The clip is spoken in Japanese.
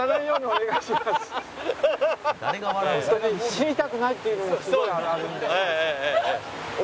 死にたくないっていうのがすごいあるんで。